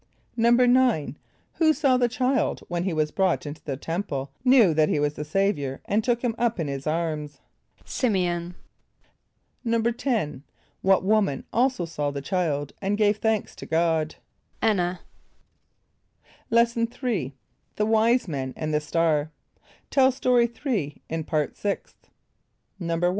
= =9.= Who saw the child when he was brought into the Temple, knew that he was the Saviour, and took him up in his arms? =S[)i]m´e on.= =10.= What woman also saw the child and gave thanks to God? =[)A]n´n[.a].= Lesson III. The Wise Men and the Star. (Tell Story 3 in Part Sixth.) =1.